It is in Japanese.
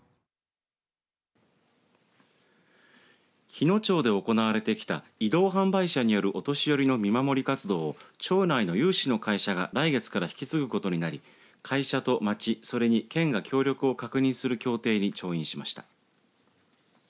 日野町で行われてきた移動販売車による、お年寄りの見守り活動を町内の有志の会社が来月から引き継ぐことになり会社と町、それに県が協力を確認する協定に調印しました。